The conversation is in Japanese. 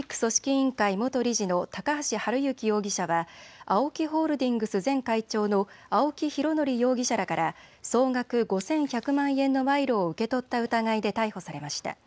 委員会元理事の高橋治之容疑者はＡＯＫＩホールディングス前会長の青木拡憲容疑者らから総額５１００万円の賄賂を受け取った疑いで逮捕されました。